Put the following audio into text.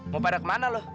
mau pada kemana lo